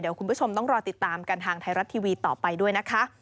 เดี๋ยวคุณผู้ชมต้องรอติดตามกันทางไทยรัฐทีวีต่อไปด้วยนะคะ